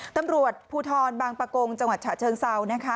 ตำรวจภูทรบางปะโกงจังหวัดฉะเชิงเศร้าด้วยนะคะ